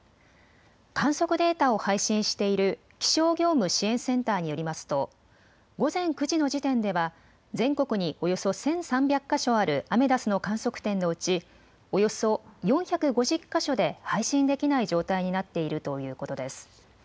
観測データを配信している気象業務支援センターによりますと午前９時の時点では全国におよそ１３００か所あるアメダスの観測点のうちおよそ４５０か所で配信できない状態になっているということです。